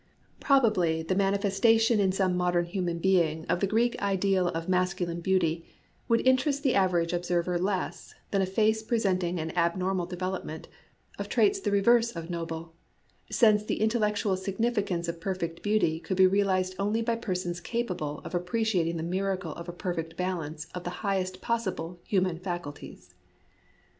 Probably the manifestation in some modern human being of the Greek ideal of masculine beauty would interest the average observer less than a face presenting an abnormal development of traits the re verse of noble, — since the intellectual signifi cance of perfect beauty could be realized only by persons capable of appreciating the miracle of a perfect balance of the highest possible human faculties.